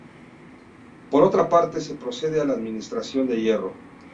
Por otra parte, se procede a la administración de hierro.